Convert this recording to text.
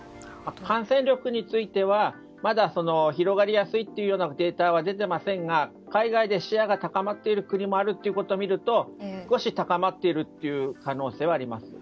感染力についてはまだ広がりやすいというデータは出ていませんが海外でシェアが高まっている国を見ると少し高まっているという可能性はあります。